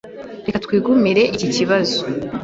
Reka twigumire iki kibazo.